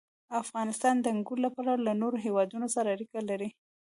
افغانستان د انګور له پلوه له نورو هېوادونو سره اړیکې لري.